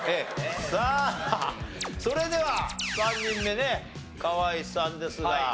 さあそれでは３人目ね河井さんですが。